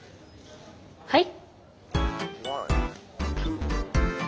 はい？